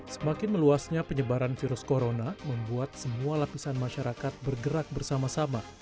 semakin meluasnya penyebaran virus corona membuat semua lapisan masyarakat bergerak bersama sama